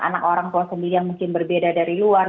anak orang tua sendiri yang mungkin berbeda dari luar